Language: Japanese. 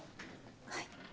はい。